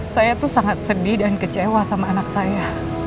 saya tuh sangat sedih dan kecewa sama anak saya